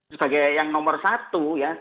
sebagai yang nomor satu ya